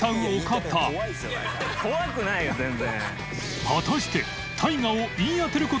韮繊怖くないよ全然。